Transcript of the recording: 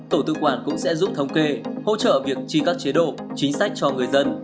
tổ tự quản cũng sẽ giúp thống kê hỗ trợ việc chi các chế độ chính sách cho người dân